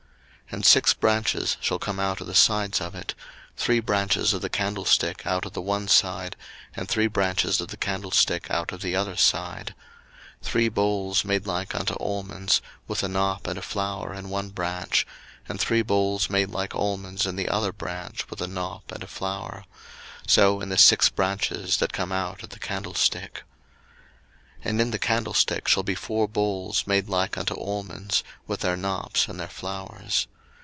02:025:032 And six branches shall come out of the sides of it; three branches of the candlestick out of the one side, and three branches of the candlestick out of the other side: 02:025:033 Three bowls made like unto almonds, with a knop and a flower in one branch; and three bowls made like almonds in the other branch, with a knop and a flower: so in the six branches that come out of the candlestick. 02:025:034 And in the candlesticks shall be four bowls made like unto almonds, with their knops and their flowers.